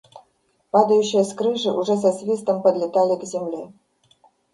Падающие с крыши уже со свистом подлетали к земле.